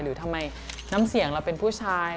หรือทำไมน้ำเสียงเราเป็นผู้ชาย